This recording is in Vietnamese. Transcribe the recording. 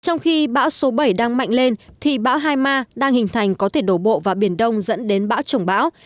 trong khi bão số bảy đang mạnh lên thì bão hai ma đang hình thành có thể đổ bộ vào biển đông dẫn đến bão trồng bão